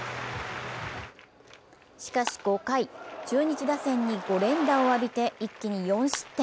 しかし４回、中日打線に５連打を浴びて一気に４失点。